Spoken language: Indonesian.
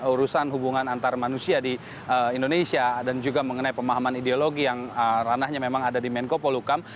urusan hubungan antar manusia di indonesia dan juga mengenai pemahaman ideologi yang ranahnya memang ada di menko polukam